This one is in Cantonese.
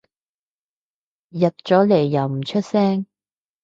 入咗嚟又唔出聲